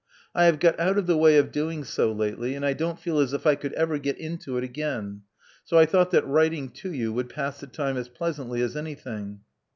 I have got out of the way of doing so lately; and I don't feel as if I could ever get into it again. So I thought that writing to you would pass the time as pleasantly as anything.